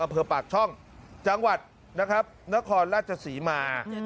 อำเภอปากช่องจังหวัดนะครับนครราชศรีมา